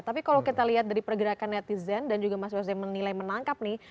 tapi kalau kita lihat dari pergerakan netizen dan juga mas wesda menilai menangkap nih